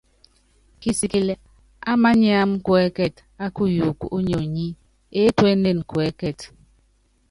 Kisikilɛ á mániáma kuɛ́kɛt á kuyuuku ónyionyi, eétuénen kuɛkɛt.